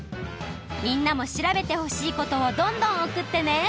みんなも調べてほしいことをどんどんおくってね。